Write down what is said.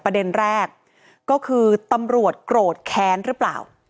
ประเด็นแรกก็คือตำรวจโกรธแค้นหรือเปล่า